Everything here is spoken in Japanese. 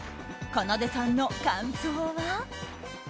かなでさんの感想は？